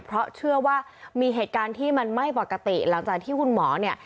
เพราะเชื่อว่ามีเหตุการณ์ที่มันไม่ปกติหลังจากที่คุณหมอเนี่ย